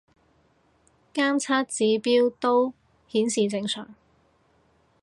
監測指標都顯示正常